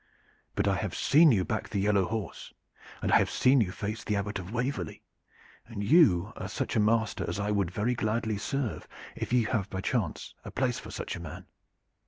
But I have seen you back the yellow horse, and I have seen you face the Abbot of Waverley, and you are such a master as I would very gladly serve if you have by chance a place for such a man.